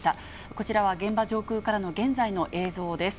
こちらは現場上空からの現在の映像です。